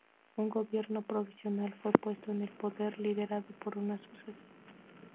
Un gobierno provisional fue puesto en el poder, liderado por una sucesión.